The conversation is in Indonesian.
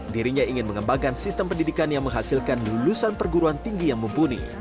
dirinya ingin mengembangkan sistem pendidikan yang menghasilkan lulusan perguruan tinggi yang mumpuni